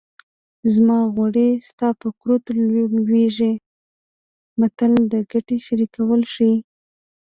زما غوړي ستا په کورتو لوېږي متل د ګټې شریکول ښيي